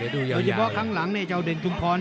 โดยเฉพาะครั้งหลังเนี่ยเอกชาวเด่นชุมพร